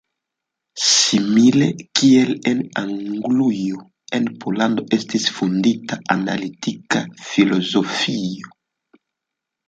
Simile kiel en Anglujo en Pollando estis fondita analitika filozofio.